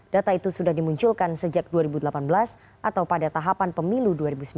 data itu sudah dimunculkan sejak dua ribu delapan belas atau pada tahapan pemilu dua ribu sembilan belas